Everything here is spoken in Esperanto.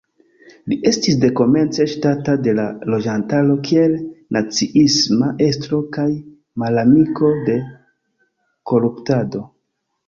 Li estis dekomence ŝatata de la loĝantaro kiel naciisma estro kaj malamiko de koruptado.